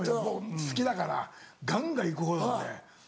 好きだからガンガン行くほうなんで。